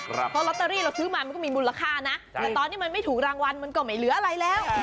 เพราะลอตเตอรี่เราซื้อมามันก็มีมูลค่านะแต่ตอนนี้มันไม่ถูกรางวัลมันก็ไม่เหลืออะไรแล้ว